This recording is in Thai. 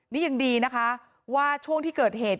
นี่ยังดีนะคะว่าช่วงที่เกิดเหตุ